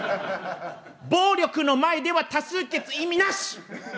暴力の前では多数決意味なし！